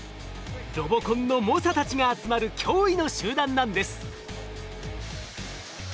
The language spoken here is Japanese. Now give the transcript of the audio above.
「ロボコンの猛者」たちが集まる脅威の集団なんです。